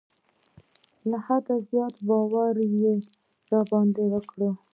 له حده زیات باور یې را باندې وکړ.